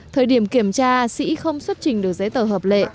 thời điểm kiểm tra sĩ không xuất trình được giấy tờ hợp lệ